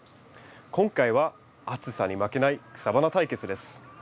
今回は暑さに負けない草花対決です。